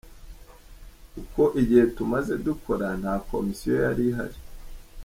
Kuko igihe tumaze dukora, nta Komisiyo yari ihari.